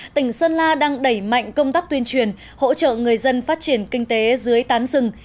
tỉnh sơn la đang đẩy mạnh công tác tuyên truyền hỗ trợ người dân phát triển kinh tế dưới tán rừng